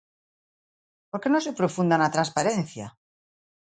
Por que non se profunda na transparencia?